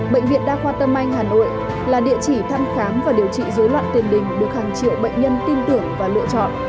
bệnh viện đa khoa tâm anh hà nội là địa chỉ thăm khám và điều trị dối loạn tiền đình được hàng triệu bệnh nhân tin tưởng và lựa chọn